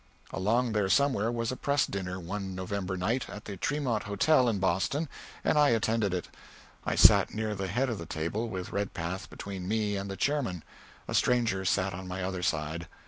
Along there somewhere was a press dinner, one November night, at the Tremont Hotel in Boston, and I attended it. I sat near the head of the table, with Redpath between me and the chairman; a stranger sat on my other side.